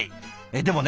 でもね